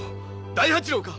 大八郎か。